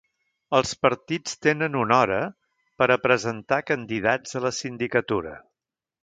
Els partits tenen una hora per a presentar candidats a la sindicatura.